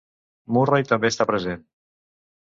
Murray també està present.